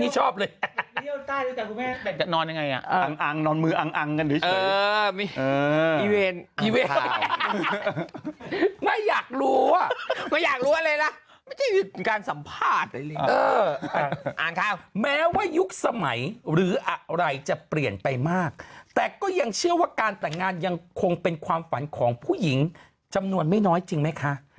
ชอบเลยนอนมืออังอังกันไม่อยากรู้ว่าไม่อยากรู้อะไรนะการสัมภาษณ์แม้ว่ายุคสมัยหรืออะไรจะเปลี่ยนไปมากแต่ก็ยังเชื่อว่าการแต่งงานยังคงเป็นความฝันของผู้หญิงจำนวนไม่น้อยจริงไหมคะ